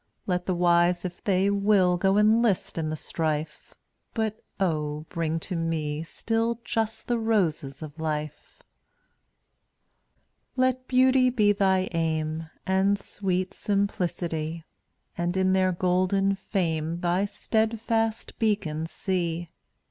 Let the wise if they will Go enlist in the strife, But, oh, bring to me still Just the roses of life! 179 Let beauty be thy aim And sweet Simplicity, And in their golden fame Thy steadfast beacon see.